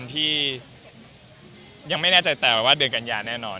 ที่ยังไม่แน่ใจแต่แบบว่าเดือนกันยาแน่นอน